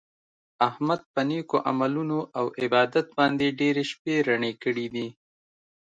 احمد په نېکو عملونو او عبادت باندې ډېرې شپې رڼې کړي دي.